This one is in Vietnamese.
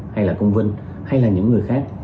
hay là công vân hay là những người khác